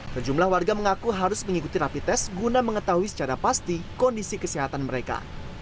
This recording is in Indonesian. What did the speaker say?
sejumlah warga mengaku harus mengikuti rapi tes guna mengetahui secara pasti kondisi kesehatan mereka